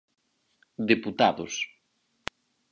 Deputados.